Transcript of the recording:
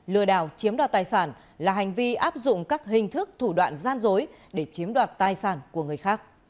lừa đảo chiếm đoạt tài sản là hành vi áp dụng các hình thức thủ đoạn gian dối để chiếm đoạt tài sản của người khác